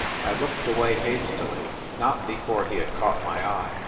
1 looked away hastily, not before he had caught my eye.